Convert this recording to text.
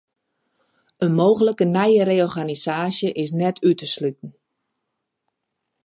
In mooglike nije reorganisaasje is net út te sluten.